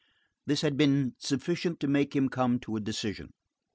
This had been sufficient to make him come to a decision.